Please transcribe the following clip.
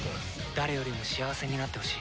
誰よりも幸せになってほしい。